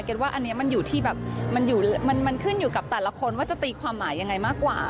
ว่าอันนี้มันอยู่ที่แบบมันขึ้นอยู่กับแต่ละคนว่าจะตีความหมายยังไงมากกว่า